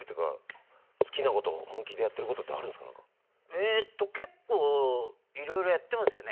えっと結構色々やってますよね。